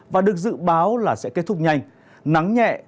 và được dự báo là sẽ kết thúc nhanh